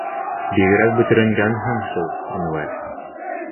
— Бигерәк бөтөрөнгәнһең шул, Әнүәр.